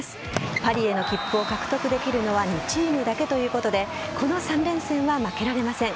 パリへの切符を獲得できるのは２チームだけということでこの３連戦は負けられません。